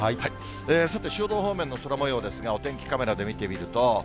さて、汐留方面の空もようですが、お天気カメラで見てみると。